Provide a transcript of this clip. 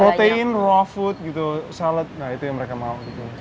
protein raw food gitu salad nah itu yang mereka mau gitu